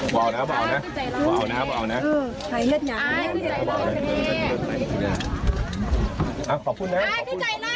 หลายเป็นเครื่องการตัว